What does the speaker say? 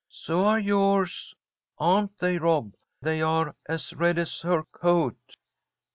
"So are yours. Aren't they, Rob? They are as red as her coat."